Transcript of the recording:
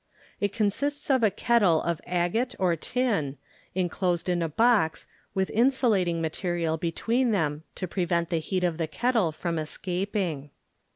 It consists of a kettle of agate or tin, inclosed in a box with insulating material between them to pre vent the heat of the kettle from escap ing.